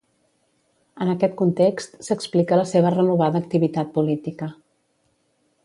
En aquest context, s'explica la seva renovada activitat política.